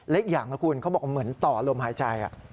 อีกอย่างนะคุณเขาบอกเหมือนต่อลมหายใจ